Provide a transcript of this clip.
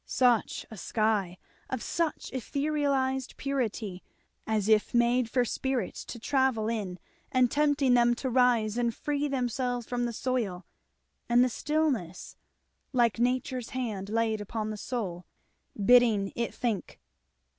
Such a sky! of such etherealized purity as if made for spirits to travel in and tempting them to rise and free themselves from the soil; and the stillness, like nature's hand laid upon the soul, bidding it think.